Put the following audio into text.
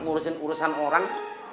ngurusin urusan orang